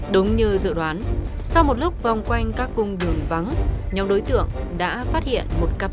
đúng như dự đoán sau một lúc vòng quanh các cung đường vắng nhóm đối tượng đã phát hiện một cặp